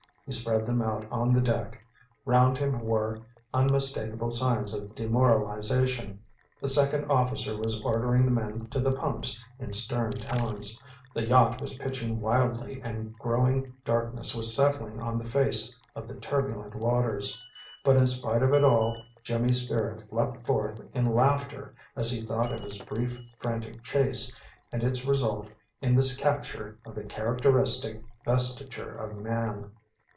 He spread them out on the deck. Round him were unmistakable signs of demoralization. The second officer was ordering the men to the pumps in stern tones; the yacht was pitching wildly and growing darkness was settling on the face of the turbulent waters. But in spite of it all, Jimmy's spirit leaped forth in laughter as he thought of his brief, frantic chase, and its result in this capture of the characteristic vestiture of man.